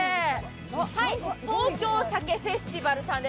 東京酒フェスティバルさんです。